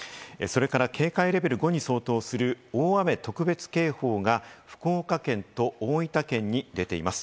警戒レベル５に相当する大雨特別警報が福岡県と大分県に出ています。